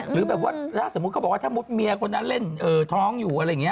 หรือแบบว่าถ้าสมมุติเขาบอกว่าถ้ามุติเมียคนนั้นเล่นท้องอยู่อะไรอย่างนี้